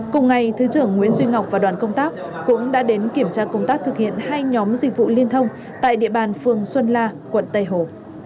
cùng ngày thứ trưởng nguyễn duy ngọc và đoàn công tác cũng đã đến kiểm tra công tác thực hiện hai nhóm dịch vụ liên thông tại địa bàn phường xuân la quận tây hồ